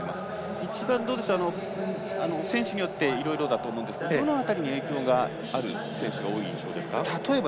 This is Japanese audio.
一番、選手によっていろいろだと思うんですがどの辺りに影響がある選手が多いですか。